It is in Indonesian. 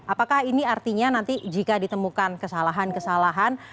apakah ini artinya nanti jika ditemukan kesalahan kesalahan